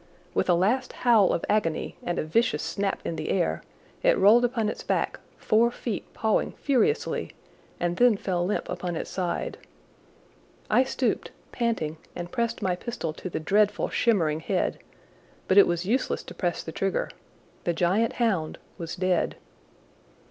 With a last howl of agony and a vicious snap in the air, it rolled upon its back, four feet pawing furiously, and then fell limp upon its side. I stooped, panting, and pressed my pistol to the dreadful, shimmering head, but it was useless to press the trigger. The giant hound was dead.